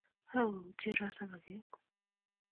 Kagoutye Rosa paket